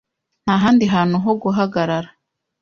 Nta handi hantu ho guhagarara .